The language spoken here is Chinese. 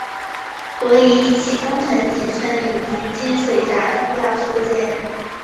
所以一期工程仅剩引渠进水闸需要修建。